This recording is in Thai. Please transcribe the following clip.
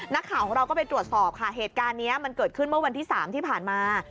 นักข่าวของเราก็ไปตรวจสอบค่ะเหตุการณ์นี้มันเกิดขึ้นเมื่อวันที่๓ที่ผ่านมา